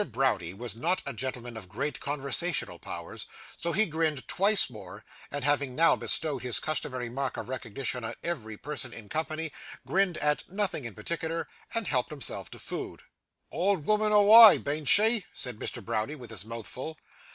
Browdie was not a gentleman of great conversational powers, so he grinned twice more, and having now bestowed his customary mark of recognition on every person in company, grinned at nothing in particular, and helped himself to food. 'Old wooman awa', bean't she?' said Mr. Browdie, with his mouth full.